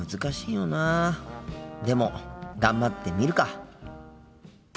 でも頑張ってみるか。